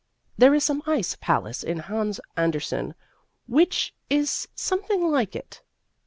There is some ice palace in Hans Andersen which is something like it.